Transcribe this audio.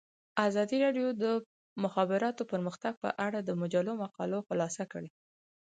ازادي راډیو د د مخابراتو پرمختګ په اړه د مجلو مقالو خلاصه کړې.